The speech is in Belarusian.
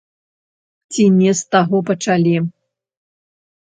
Ці не з таго пачалі.